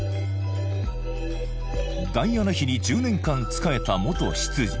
ダイアナ妃に１０年間仕えた元執事